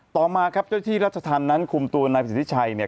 ต่อมาครับที่รัฐธรรมนั้นคุมตัวนายพิษธิชัย